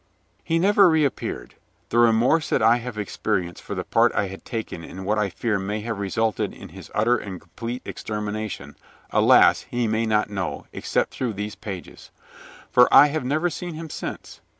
He never reappeared. The remorse that I have experienced for the part I had taken in what I fear may have resulted in his utter and complete extermination, alas, he may not know, except through these pages. For I have never seen him since.